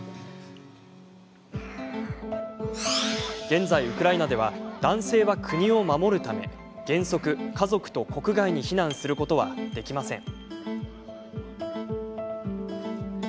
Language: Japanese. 現在、ウクライナでは男性は国を守るため原則、家族と国外に避難することはできません。